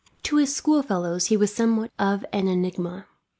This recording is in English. To his schoolfellows he was somewhat of an enigma.